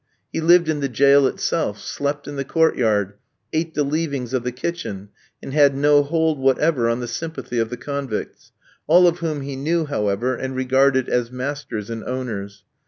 He lived in the jail itself; slept in the court yard; ate the leavings of the kitchen, and had no hold whatever on the sympathy of the convicts; all of whom he knew, however, and regarded as masters and owners.